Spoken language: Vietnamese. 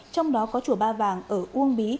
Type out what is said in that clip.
trong đó có chùa ba vàng ở uông bí